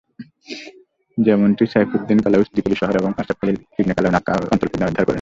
যেমনটি সাইফুদ্দীন কালাউস ত্রিপোলী শহর এবং আশরাফ খলীল ইবন কালাউন আক্কা অঞ্চল পুনরুদ্ধার করেছিলেন।